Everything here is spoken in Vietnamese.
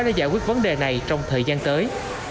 để giải quyết vấn đề này trong thời gian tới